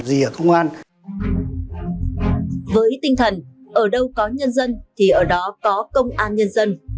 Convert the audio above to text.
với tinh thần ở đâu có nhân dân thì ở đó có công an nhân dân